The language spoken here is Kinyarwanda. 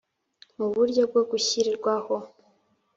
mu buryo bwo gushyirwaho